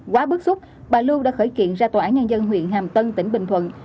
quá bức xúc bà lưu đã khởi kiện ra tòa án nhân dân huyện hàm tân tỉnh bình thuận